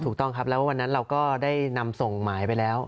ถูกต้องครับแล้ววันนั้นเราก็ได้นำส่งหมายไปแล้ว